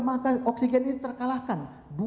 maka oksigen ini terkalahkan